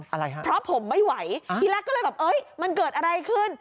อะไรฮะเพราะผมไม่ไหวทีแรกก็เลยแบบเอ้ยมันเกิดอะไรขึ้น